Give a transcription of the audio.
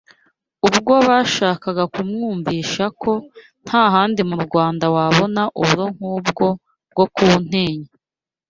Ubwo bashakaga kumwumvisha ko nta handi mu Rwanda wabona uburo nk’ubwo bwo ku Ntenyo